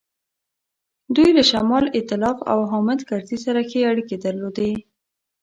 دوی له شمال ایتلاف او حامد کرزي سره ښې اړیکې درلودې.